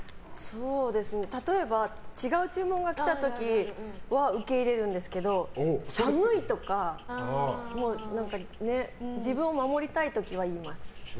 例えば、違う注文が来た時は受け入れるんですけど寒いとか自分を守りたい時は言います。